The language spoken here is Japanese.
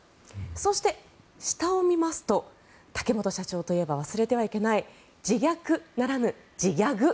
そして、下を見ますと竹本社長と言えば忘れてはならない自虐ならぬ自ギャグ。